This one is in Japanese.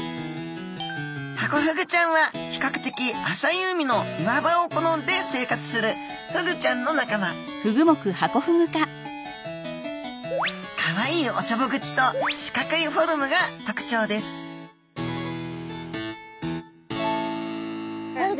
ハコフグちゃんは比較的浅い海の岩場を好んで生活するフグちゃんの仲間かわいいおちょぼ口と四角いフォルムが特徴ですあれ？